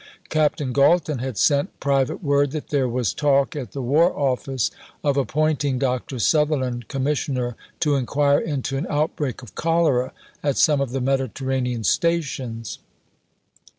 Captain Galton had sent private word that there was talk at the War Office of appointing Dr. Sutherland Commissioner to inquire into an outbreak of cholera at some of the Mediterranean Stations.